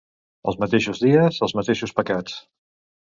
Els mateixos dies, els mateixos pecats.